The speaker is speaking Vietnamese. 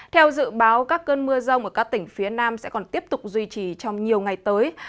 theo dự báo các cơn mưa rông ở các tỉnh phía nam sẽ còn tiếp tục duy trì trong nhiều ngày tới